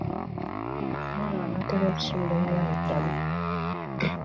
Omwana anaatera okusuula nnyina eddalu.